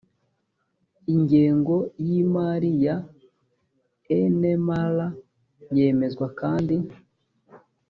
ingengo y imari ya inmr yemezwa kandi